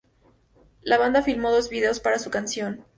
La banda filmó dos vídeos para su canción.